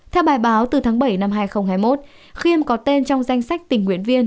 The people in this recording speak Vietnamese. theo bài báo từ tháng bảy năm hai nghìn hai mươi một khiêm có tên trong danh sách tình nguyện viên